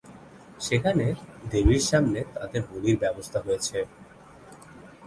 সেখানে দেবীর সামনে তাদের বলির ব্যবস্থা হয়েছে।